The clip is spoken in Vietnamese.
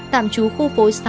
tạm trú khu phố sáu